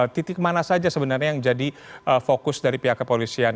titik mana saja sebenarnya yang jadi fokus dari pihak kepolisian